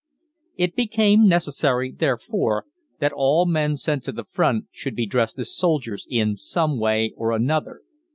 It became necessary, therefore, that all men sent to the front should be dressed as soldiers in some way or another.